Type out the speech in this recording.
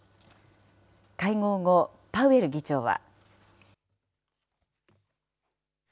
会合後、パウエル議長は。